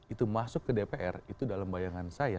itu masuk ke dpr itu dalam bayangan saya